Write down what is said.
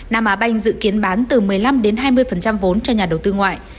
nam á bank dự kiến bán từ một mươi năm đến hai mươi vốn cho nhà đầu tư nước ngoài